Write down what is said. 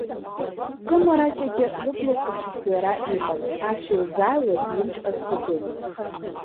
Кымараҷагьы лыблақәа шыхҩара иҟан, ацәа илзааиуаз лымч азхаӡомызт.